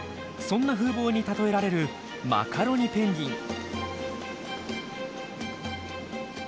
そんな風貌に例えられるマカロニペンギン。